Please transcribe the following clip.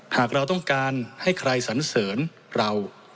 หากเราต้องการให้ใครสันเสริญเรา